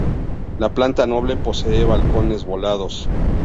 La planta noble posee balcones volados.